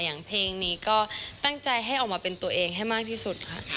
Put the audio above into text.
เพลงนี้ก็ตั้งใจให้ออกมาเป็นตัวเองให้มากที่สุดค่ะ